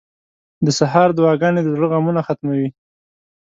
• د سهار دعاګانې د زړه غمونه ختموي.